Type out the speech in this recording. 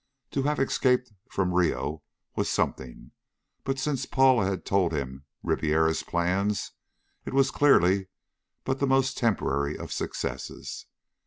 To have escaped from Rio was something, but since Paula had told him Ribiera's plans, it was clearly but the most temporary of successes.